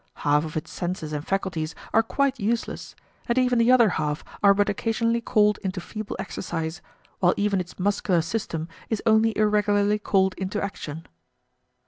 Half of its senses and faculties are quite useless; and the other half are but occasionally called into feeble exercise, while even its muscular system is only irregularly called into action.